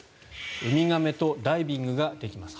ウミガメとダイビングができます。